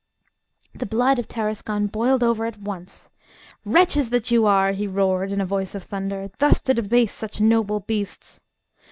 The blood of Tarascon boiled over at once. "Wretches that you are!" he roared in a voice of thunder, "thus to debase such noble beasts!"